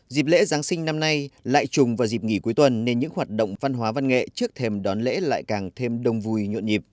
dịp lễ giáng sinh năm nay lại trùng vào dịp nghỉ cuối tuần nên những hoạt động văn hóa văn nghệ trước thềm đón lễ lại càng thêm đông vui nhộn nhịp